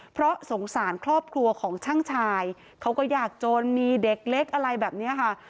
เพราะสงสารครอบครัวของช่างชายเขาก็ยากจนมีเด็กเล็กอะไรแบบนี้ค่ะ